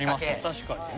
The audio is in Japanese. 確かにね。